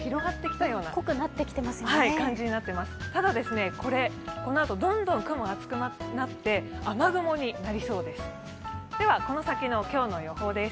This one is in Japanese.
ただこれ、このあとどんどん雲が厚くなって、雨雲になりそうです。